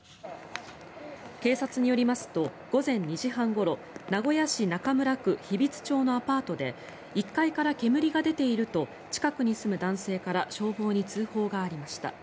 警察によりますと午前２時半ごろ名古屋市中村区日比津町のアパートで１階から煙が出ていると近くに住む男性から消防に通報がありました。